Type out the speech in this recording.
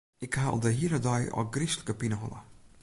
Ik ha al de hiele dei ôfgryslike pineholle.